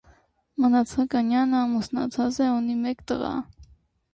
Մնացականյանը ամուսնացած է, ունի մեկ տղա։